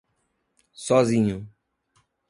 Sozinho